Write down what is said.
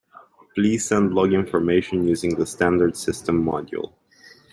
Please send log information using the standard system module.